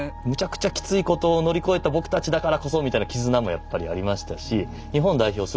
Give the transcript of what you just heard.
むちゃくちゃきついことを乗り越えた僕たちだからこそみたいな絆もやっぱりありましたし日本代表